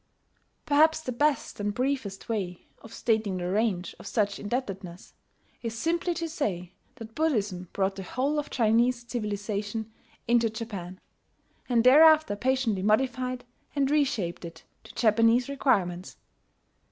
Perhaps the best and briefest way of stating the range of such indebtedness, is simply to, say that Buddhism brought the whole of Chinese civilization into Japan, and thereafter patiently modified and reshaped it to Japanese requirements.